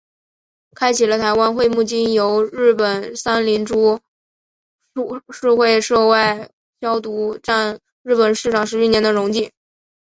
开启了台湾桧木经由日本三菱株式会社外销独占日本市场十余年的荣景。